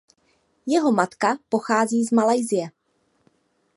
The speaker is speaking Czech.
Jeho matka pochází z Malajsie.